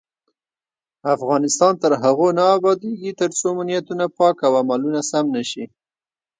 افغانستان تر هغو نه ابادیږي، ترڅو مو نیتونه پاک او عملونه سم نشي.